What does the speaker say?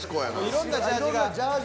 いろんなジャージーが。